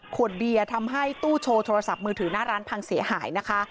ขวดเบียร์ทำให้ตู้โชว์โทรศัพท์มือถือหน้าร้านพังเสียหายนะคะ